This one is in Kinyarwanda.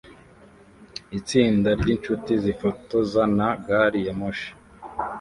Itsinda ryinshuti zifotoza na gari ya moshi